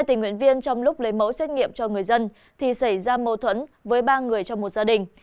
tình nguyện viên trong lúc lấy mẫu xét nghiệm cho người dân thì xảy ra mâu thuẫn với ba người trong một gia đình